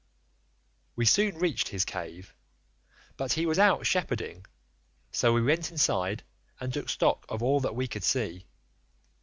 "We soon reached his cave, but he was out shepherding, so we went inside and took stock of all that we could see.